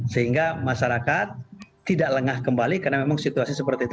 sehingga masyarakat tidak lengah kembali karena memang situasi seperti itu